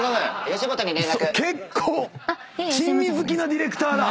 ⁉結構珍味好きなディレクターだ！